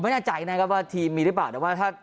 ไม่แน่ใจนะครับว่าทีมมีหรือเปล่าแต่ว่าถ้า